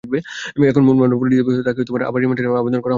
এখন মূল মামলা পুনরুজ্জীবিত হলে তাঁকে আবার রিমান্ডে নেওয়ার আবেদন করা হবে।